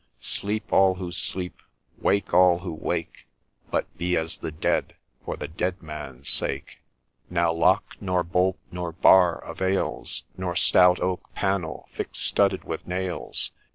Sleep all who sleep !— Wake all who wake !— But be as the Dead for the Dead Man's sake !' Now lock, nor bolt, nor bar avails, Nor stout oak panel thick studded with nails.